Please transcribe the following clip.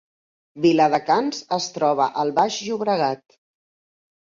Viladecans es troba al Baix Llobregat